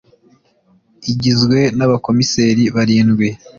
Igizwe n ,Abakomiseri barindwi.